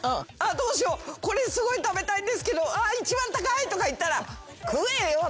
どうしようこれすごい食べたいんですけどあっ一番高い！とか言ったら食えよってなるじゃんね。